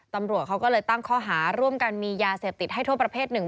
ตำรวจเขาก็เลยตั้งข้อหาร่วมกันมียาเสพติดให้โทษประเภทหนึ่ง